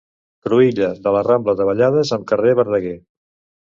Cruïlla de la rambla Davallades amb carrer Verdaguer.